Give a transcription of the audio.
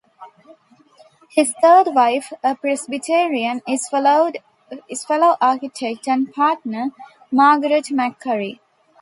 His third wife, a Presbyterian, is fellow architect and partner, Margaret McCurry.